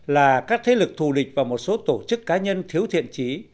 là các thế lực thù địch và một số tổ chức cá nhân thiếu thiện trí